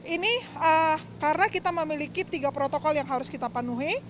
ini karena kita memiliki tiga protokol yang harus kita penuhi